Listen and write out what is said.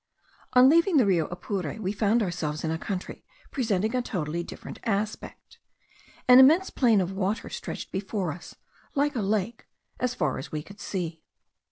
On leaving the Rio Apure we found ourselves in a country presenting a totally different aspect. An immense plain of water stretched before us like a lake, as far as we could see.